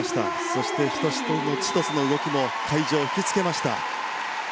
そして１つ１つの動きも会場を引きつけました。